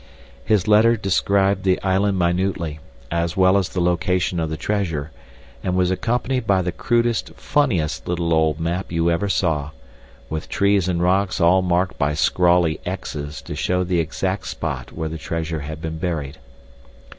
His letter described the island minutely, as well as the location of the treasure, and was accompanied by the crudest, funniest little old map you ever saw; with trees and rocks all marked by scrawly X's to show the exact spot where the treasure had been buried.